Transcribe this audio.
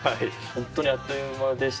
本当にあっという間でしたね。